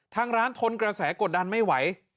ทางร้านทนกระแสกดดันไม่ไหว